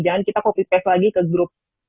jangan kita copy paste lagi ke grup